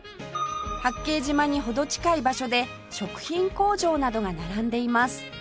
八景島に程近い場所で食品工場などが並んでいます